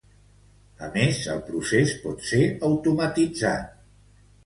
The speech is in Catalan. A més, el procés pot ser automatitzat.